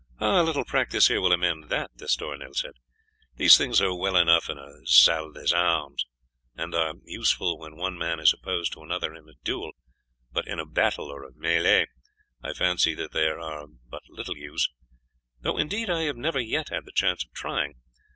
"A little practice here will amend that," D'Estournel said. "These things are well enough in a salle d'armes, and are useful when one man is opposed to another in a duel, but in a battle or mêlée I fancy that they are of but little use, though indeed I have never yet had the chance of trying.